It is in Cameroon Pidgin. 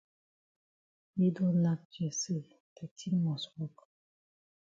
Yi don nack chest say de tin must wok.